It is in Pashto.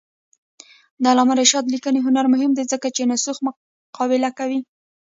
د علامه رشاد لیکنی هنر مهم دی ځکه چې نسخو مقابله کوي.